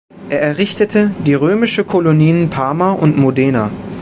Er errichtete die römischen Kolonien Parma und Modena.